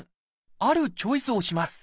あるチョイスをします。